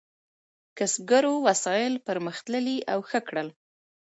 کسبګرو وسایل پرمختللي او ښه کړل.